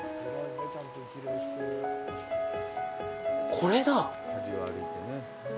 これだ！